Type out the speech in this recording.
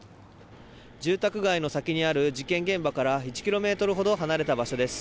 住宅街の先にある事件現場から１ｋｍほど離れた場所です。